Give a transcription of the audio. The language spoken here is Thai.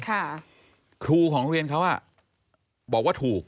เถียวของโรงเรียนเค้าบอกว่าถูก๒๐